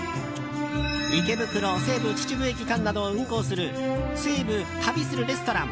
池袋から西武秩父駅間などを運行する西武旅するレストラン